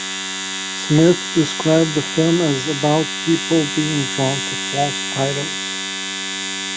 Smith described the film as "about people being drawn to false idols".